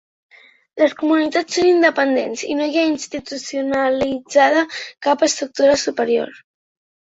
Les comunitats són independents i no hi ha institucionalitzada cap estructuració superior.